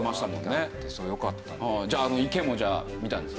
じゃああの池も見たんですね？